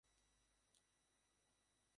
এবং যখন আমি তাকে খুঁজে পেলাম, তার উল্টো পড়ে ছিল।